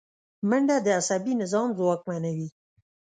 منډه د عصبي نظام ځواکمنوي